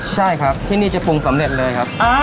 ใช่ครับที่นี่จะปรุงสำเร็จเลยครับ